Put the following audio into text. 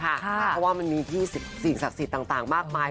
เพราะว่ามันมีที่สิ่งศักดิ์สิทธิ์ต่างมากมาย